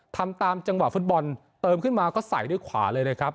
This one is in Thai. ทำตามจังหวะฟุตบอลเติมขึ้นมาก็ใส่ด้วยขวาเลยนะครับ